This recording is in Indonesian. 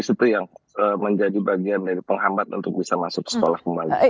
itu yang menjadi bagian dari penghambat untuk bisa masuk sekolah kembali